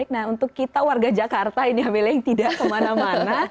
nah untuk kita warga jakarta ini amela yang tidak kemana mana